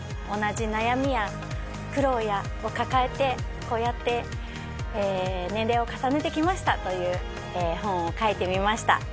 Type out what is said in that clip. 同じ悩みや苦労を抱えてこうやって年齢を重ねてきましたという本を書いてみました。